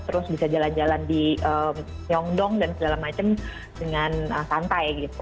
terus bisa jalan jalan di nyongdong dan segala macam dengan santai gitu